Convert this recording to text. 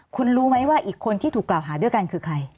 คุณรู้ไหมว่าอีกคนที่ถูกกล่าวหาด้วยกันคือใคร